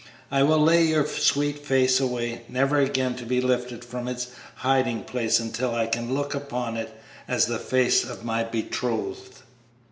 I will lay your sweet face away, never again to be lifted from its hiding place until I can look upon it as the face of my betrothed."